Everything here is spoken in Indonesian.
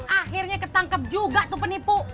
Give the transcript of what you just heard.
akhirnya ketangkep juga tuh penipu